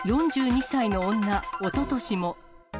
４２歳の女、おととしも。